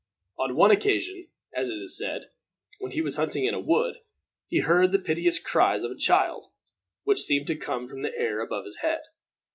On one occasion, as it is said, when he was hunting in a wood, he heard the piteous cries of a child, which seemed to come from the air above his head.